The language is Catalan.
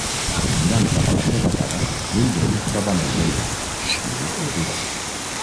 Mirant cap a la seva cara, l'ull d'ell es troba amb el d'ella, i ell s'atura.